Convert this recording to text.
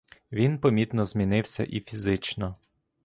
Він помітно змінився і фізично.